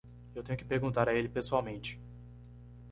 Eu tenho que perguntar a ele pessoalmente.